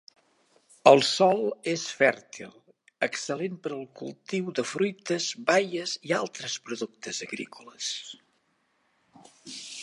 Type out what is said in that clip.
El sòl és fèrtil, excel·lent per al cultiu de fruites, baies i altres productes agrícoles.